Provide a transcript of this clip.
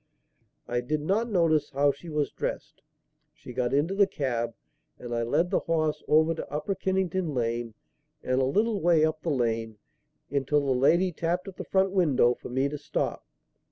I did not notice how she was dressed. She got into the cab and I led the horse over to Upper Kennington Lane and a little way up the lane, until the lady tapped at the front window for me to stop.